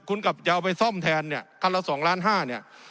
คุณกลับจะเอาไปซ่อมแทนเนี่ยคันละ๒ล้านห้าเนี่ย